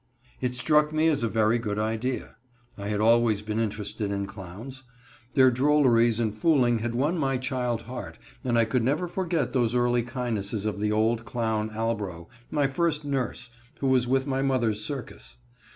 It struck me as a very good idea. I had always been interested in clowns. Their drolleries and fooling had won my child heart, and I could never forget those early kindnesses of the old clown Albro, my first nurse, who was with my mother's circus.